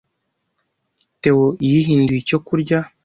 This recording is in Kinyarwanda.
Theo yihinduye icyo kurya.